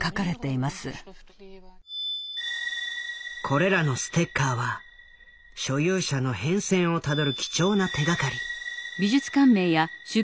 これらのステッカーは所有者の変遷をたどる貴重な手がかり。